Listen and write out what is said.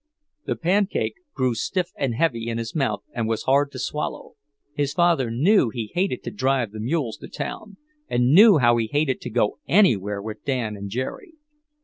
The pancake grew stiff and heavy in his mouth and was hard to swallow. His father knew he hated to drive the mules to town, and knew how he hated to go anywhere with Dan and Jerry.